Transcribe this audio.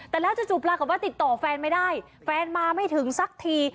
แต่แล้วจู่ปรากฏว่าติดต่อแฟนไม่ได้แฟนมาไม่ถึงสักที